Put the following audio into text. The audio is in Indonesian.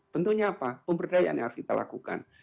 tentunya apa pemberdayaan yang harus kita lakukan